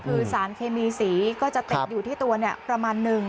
คือสารเคมีสีก็จะติดอยู่ที่ตัวเนี่ยประมาณนึง